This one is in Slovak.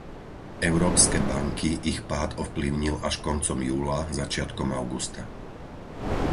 Európske banky ich pád ovplyvnil až koncom júla, začiatkom augusta.